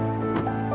nanti bu mau ke rumah